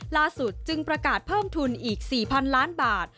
ล่าสุดจึงประกาศเพิ่มทุนอีก๔๐๐๐ล้านบาท